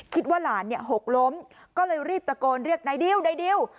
คิดว่าหลานเนี่ยหกล้มก็เลยรีบตะโกนเรียกนายดิวนายดิว